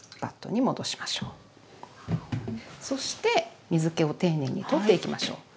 そして水けを丁寧に取っていきましょう。